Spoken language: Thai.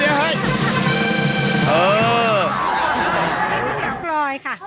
ก้าวเหนียวขวายค่ะ